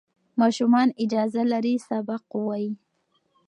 ماشومان اجازه لري سبق ووایي.